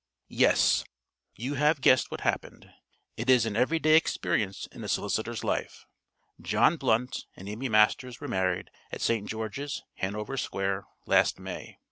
Yes, you have guessed what happened. It is an every day experience in a solicitor's life. John Blunt and Amy Masters were married at St. George's, Hanover Square, last May.